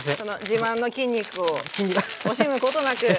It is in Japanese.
自慢の筋肉を惜しむことなく使って。